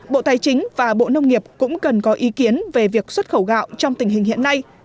bộ tài chính và bộ nông nghiệp cũng cần có ý kiến về việc xuất khẩu gạo trong tình hình hiện nay